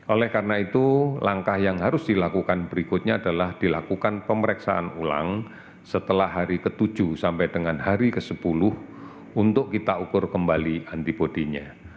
oleh karena itu langkah yang harus dilakukan berikutnya adalah dilakukan pemeriksaan ulang setelah hari ke tujuh sampai dengan hari ke sepuluh untuk kita ukur kembali antibody nya